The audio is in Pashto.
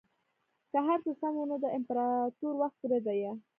که هرڅه سم وو نو د اپراتو وخت پوره ديه.